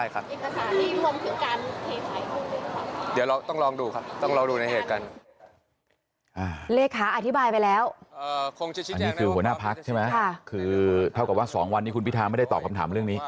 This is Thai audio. อันนี้คือหัวหน้าพักใช่ไหมคือเท่ากับว่า๒วันนี้คุณพิทาไม่ได้ตอบคำถามเรื่องนี้